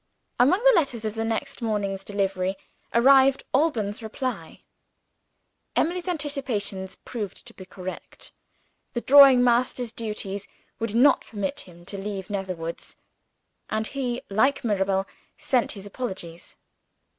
Among the letters of the next morning's delivery, arrived Alban's reply. Emily's anticipations proved to be correct. The drawing master's du ties would not permit him to leave Netherwoods; and he, like Mirabel, sent his apologies.